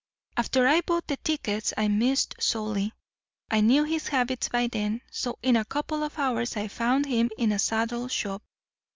"After I bought the tickets I missed Solly. I knew his habits by then; so in a couple of hours I found him in a saddle shop.